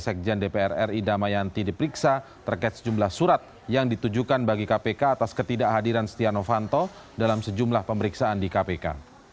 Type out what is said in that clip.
sekjen dpr ri damayanti diperiksa terkait sejumlah surat yang ditujukan bagi kpk atas ketidakhadiran setia novanto dalam sejumlah pemeriksaan di kpk